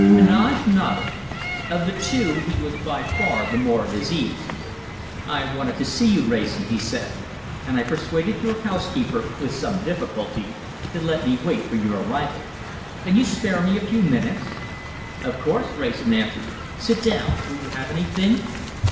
Heneage nodded. Of the two, he was by far the more at his ease. "I wanted to see you, Wrayson," he said, "and I persuaded your housekeeper with some difficulty to let me wait for your arrival. Can you spare me a few minutes?" "Of course," Wrayson answered. "Sit down. Will you have anything?"